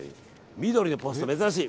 緑のポスト珍しい。